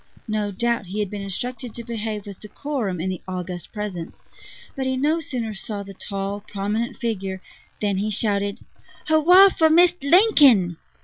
No doubt he had been instructed to behave with decorum in the august presence; but he no sooner saw the tall, prominent figure than he shouted: "Hurrah for Mist' Lincoln!"